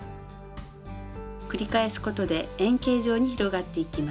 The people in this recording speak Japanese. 繰り返すことで円形状に広がっていきます。